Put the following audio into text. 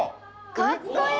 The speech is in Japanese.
かっこいい！